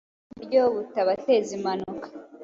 mu buryo butabateza impanuka.